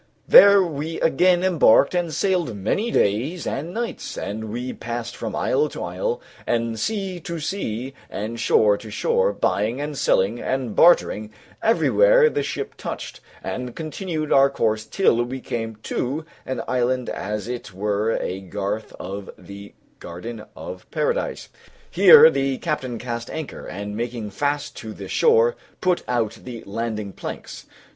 There we again embarked and sailed many days and nights, and we passed from isle to isle and sea to sea and shore to shore, buying and selling and bartering everywhere the ship touched, and continued our course till we came to an island as it were a garth of the garden of Paradise. Here the captain cast anchor, and making fast to the shore, put out the landing planks.